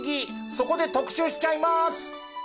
そこで特集しちゃいます。